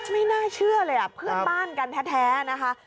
ไม่น่าเชื่อเลยเพื่อนบ้านกันแท้นะคะ